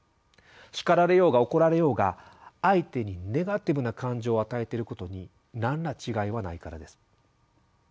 叱られようが怒られようが相手にネガティブな感情を与えていることに何ら違いはないからです。